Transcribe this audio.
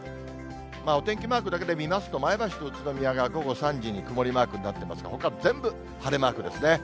お天気マークだけで見ますと、前橋と宇都宮が午後３時に曇りマークになってますが、そのほかは全部晴れマークですね。